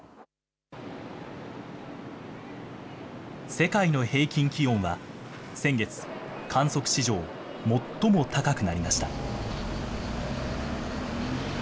世界の平均気温は先月、観測史上最も高くなりました。